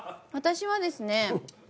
私はですね